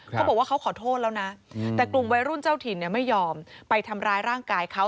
เขาบอกว่าเขาขอโทษแล้วนะแต่กลุ่มวัยรุ่นเจ้าถิ่นไม่ยอมไปทำร้ายร่างกายเขา